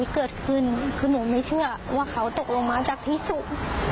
เกิดขึ้นคือหนูไม่เชื่อว่าเขาตกลงมาจากที่สูง